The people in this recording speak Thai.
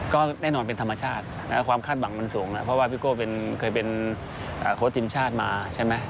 ก็แน่นอนเป็นธรรมชาติความคาดหวังมันสูงนะเพราะว่าพี่โก้เคยเป็นโค้ชทีมชาติมาใช่ไหม